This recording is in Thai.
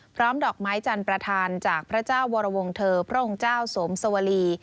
ดอกไม้จันทร์ประธานจากพระเจ้าวรวงเธอพระองค์เจ้าสวมสวรี